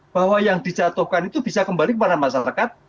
bahwa yang dijatuhkan itu bisa kembali kepada masyarakat